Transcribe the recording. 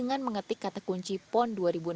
dengan mengetik kata kunci pon dua ribu enam belas